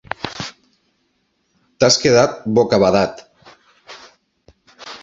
T'has quedat bocabadat.